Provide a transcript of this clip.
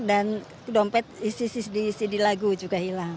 dan dompet isi isi di lagu juga hilang